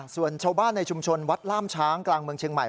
ส่วนชาวบ้านในชุมชนวัดล่ามช้างกลางเมืองเชียงใหม่